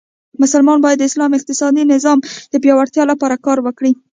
مسلمانان باید د اسلام اقتصادې نظام د پیاوړتیا لپاره کار وکړي.